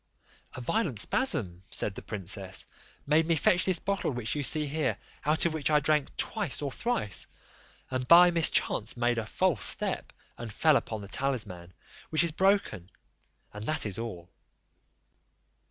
"A violent spasm," said the princess, "made me fetch this bottle which you see here, out of which I drank twice or thrice, and by mischance made a false step, and fell upon the talisman, which is broken, and that is all."